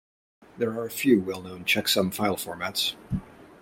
There are a few well-known checksum file formats.